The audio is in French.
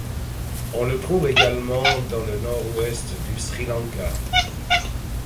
On le trouve également dans le nord-ouest du Sri Lanka.